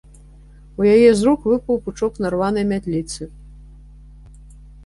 У яе з рук выпаў пучок нарванай мятліцы.